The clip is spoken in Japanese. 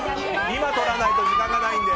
今撮らないと時間がないので。